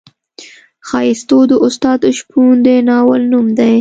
ښایستو د استاد شپون د ناول نوم دی.